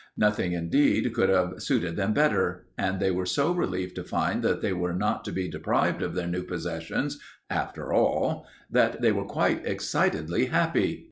Nothing, indeed, could have suited them better. And they were so relieved to find that they were not to be deprived of their new possessions after all that they were quite excitedly happy.